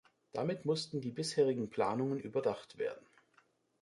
Damit mussten die bisherigen Planungen überdacht werden.